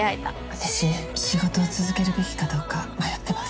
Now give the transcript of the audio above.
私仕事を続けるべきかどうか迷ってます。